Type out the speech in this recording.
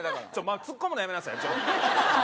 ツッコむのやめなさい。